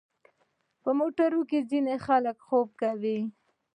موټر کې ځینې خلک خوب کوي.